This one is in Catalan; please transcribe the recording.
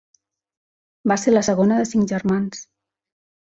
Va ser la segona de cinc germans.